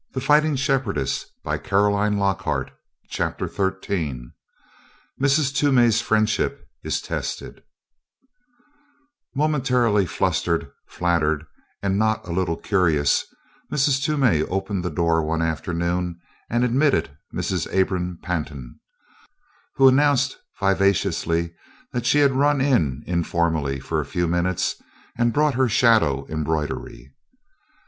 "Not to notice!" the deputy replied grimly. CHAPTER XIII MRS. TOOMEY'S FRIENDSHIP IS TESTED Momentarily flustered, flattered, and not a little curious, Mrs. Toomey opened the door one afternoon and admitted Mrs. Abram Pantin, who announced vivaciously that she had run in informally for a few minutes and brought her shadow embroidery.